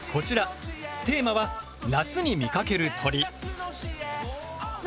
テーマは夏に見かける鳥！